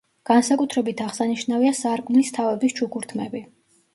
განსაკუთრებით აღსანიშნავია სარკმლის თავების ჩუქურთმები.